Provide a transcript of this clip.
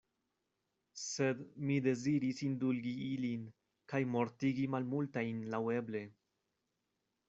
Sed mi deziris indulgi ilin, kaj mortigi malmultajn laŭeble.